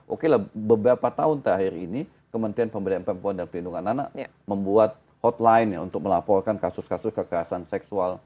oke lah beberapa tahun terakhir ini kementerian pemberdayaan perempuan dan perlindungan anak membuat hotline ya untuk melaporkan kasus kasus kekerasan seksual